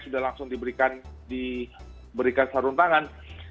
sudah langsung diberikan sarung tangan